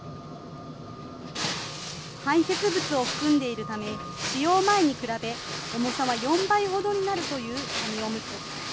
排せつ物を含んでいるため、使用前に比べ、重さは４倍ほどになるという紙おむつ。